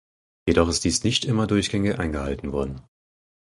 Jedoch ist dies nicht immer durchgängig eingehalten worden.